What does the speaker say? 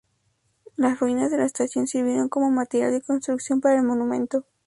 Las ruinas de la estación sirvieron como material de construcción para el monumento.